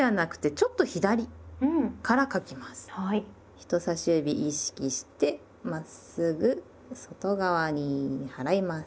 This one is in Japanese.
人さし指意識してまっすぐ外側に払います。